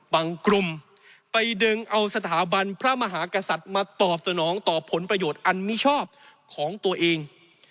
กลุ่มไปดึงเอาสถาบันพระมหากษัตริย์มาตอบสนองต่อผลประโยชน์อันมิชอบของตัวเอง